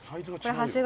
長谷川：